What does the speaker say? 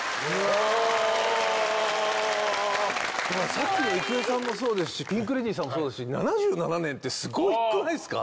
さっきの郁恵さんもそうですしピンク・レディーさんもそうですし７７年ってすごくないですか？